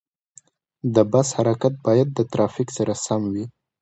د بس حرکت باید د ترافیک سره سم وي.